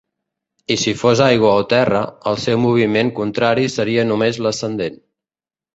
I si fos aigua o terra, el seu moviment contrari seria només l'ascendent.